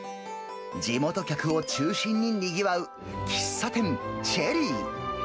地元客を中心ににぎわう喫茶店チェリー。